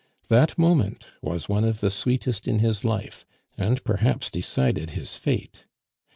That moment was one of the sweetest in his life, and perhaps decided his fate.